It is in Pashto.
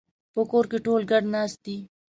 په کور کې ټول ګډ ناست دي